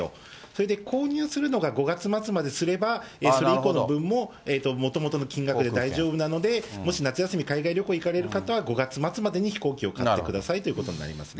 それで購入するのが５月末までとすれば、それ以降の分も、もともとの金額で大丈夫なので、もし夏休み海外旅行行かれる方は、５月末までに飛行機を買ってくださいということです。